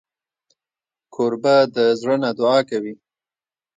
کوربه د زړه نه دعا کوي.